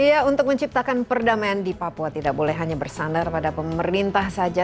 iya untuk menciptakan perdamaian di papua tidak boleh hanya bersandar pada pemerintah saja